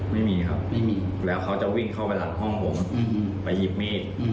ไม่มีครับไม่มีแล้วเขาจะวิ่งเข้าไปหลังห้องผมไปหยิบมีด